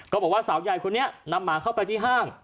บอกว่าสาวใหญ่คนนี้นำหมาเข้าไปที่ห้าง